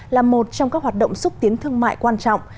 là một trong các hoạt động xúc tiến thương mại quan trọng